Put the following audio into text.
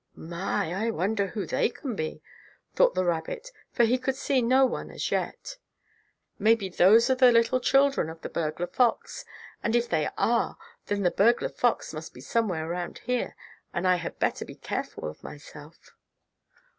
"My, I wonder who they can be?" thought the rabbit, for he could see no one as yet. "Maybe those are the little children of the burglar fox, and if they are, then the burglar fox must be somewhere around here, and I had better be careful of myself."